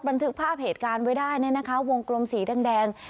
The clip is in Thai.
บันทึกภาพเหตุการณ์ไว้ได้เนี่ยนะคะวงกลมสีแดง